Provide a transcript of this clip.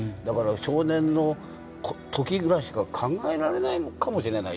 だから少年の時ぐらいしか考えられないかもしれないという。